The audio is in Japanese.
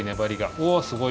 おすごい。